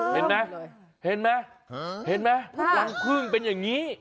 เห็นไหมรางพรึ่งเป็นอย่างนี้